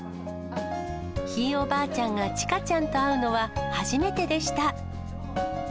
ひいおばあちゃんがちかちゃんと会うのは、初めてでした。